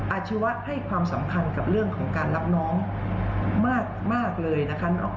อาชีวะให้ความสำคัญกับเรื่องของการรับน้องมากเลยนะคะ